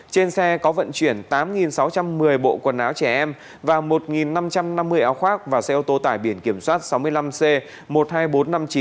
trên xe có vận chuyển tám sáu trăm một mươi bộ quần áo trẻ em và một năm trăm năm mươi áo khoác và xe ô tô tải biển kiểm soát sáu mươi năm c một mươi hai nghìn bốn trăm năm mươi chín